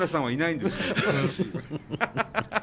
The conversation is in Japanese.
はい。